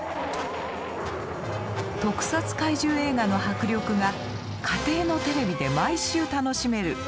特撮怪獣映画の迫力が家庭のテレビで毎週楽しめる。